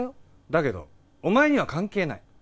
だけどお前には関係ない。